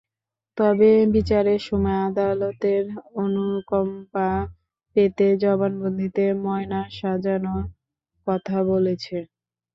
তবে বিচারের সময় আদালতের অনুকম্পা পেতে জবানবন্দিতে ময়না সাজানো কথা বলেছে।